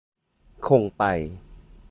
คงไป